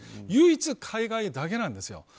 唯一、海外だけなんです。